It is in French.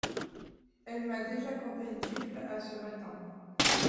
Elle m’a déjà campé une gifle à ce matin.